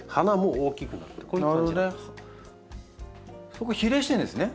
そこ比例してるんですね。